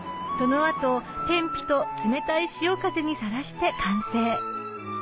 その後天日と冷たい潮風にさらして完成